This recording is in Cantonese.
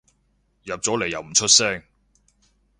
入咗嚟又唔出聲